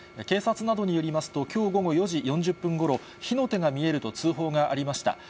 警察などによりますと、きょう午後４時４０分ごろ、火の手が見えると通報がありました。